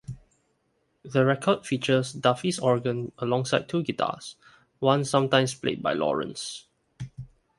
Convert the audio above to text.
The record features Duffy's organ alongside two guitars, one sometimes played by Lawrence.